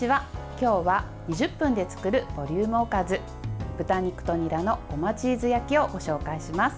今日は２０分で作るボリュームおかず豚肉とにらのごまチーズ焼きをご紹介します。